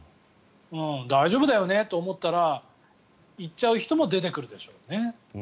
大丈夫だよねと思ったら行っちゃう人も出てくるでしょうね。